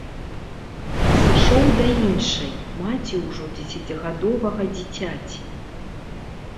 Сышоў да іншай, маці ўжо дзесяцігадовага дзіцяці.